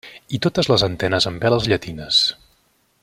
I totes les antenes amb veles llatines.